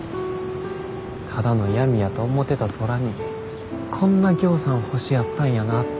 ただの闇やと思てた空にこんなぎょうさん星あったんやなって。